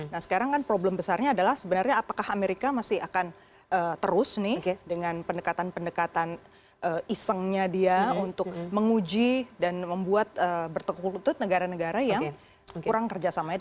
nah sekarang kan problem besarnya adalah sebenarnya apakah amerika masih akan terus nih dengan pendekatan pendekatan isengnya dia untuk menguji dan membuat bertekuk lutut negara negara yang kurang kerjasamanya